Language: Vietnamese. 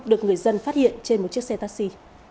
được người dân phát hiện trên một chiếc xe taxi